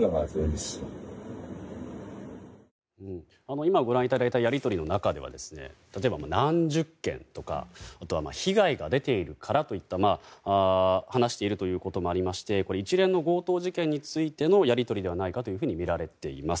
今、ご覧いただいたやり取りの中では例えば何十件とか、あとは被害が出ているからといったことを話しているということもありまして一連の強盗事件についてのやり取りではないかとみられています。